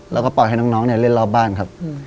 แล้วก็ปล่อยให้น้องเนี่ยเล่นรอบบ้านครับ